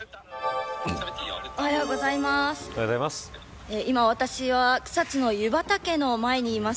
おはようございます。